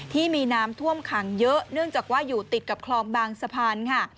ที่มีน้ำท่วมขังเยอะเนื่องจากว่าอยู่ติดกับคลองบางสะพานค่ะ